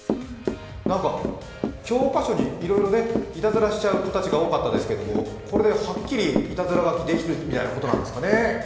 教科書にいろいろいたずらしちゃう子が多かったですけどこれで、はっきりいたずら書きできるみたいなことなんですかね。